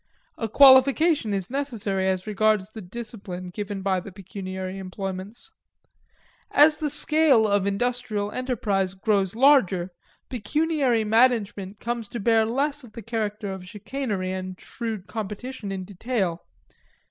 A qualification is necessary as regards the discipline given by the pecuniary employments. As the scale of industrial enterprise grows larger, pecuniary management comes to bear less of the character of chicanery and shrewd competition in detail.